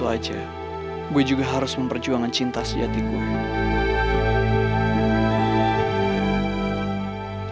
dan begitu aja gue juga harus memperjuangkan cinta sejati gue